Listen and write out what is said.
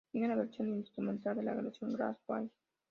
Tiene la versión instrumentaL de la canción ""Glass War"".